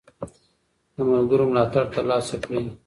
د ملګرو ملاتړ ترلاسه کړئ.